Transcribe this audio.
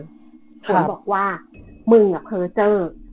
ฝนบอกว่ามึงอะเผลอเจอ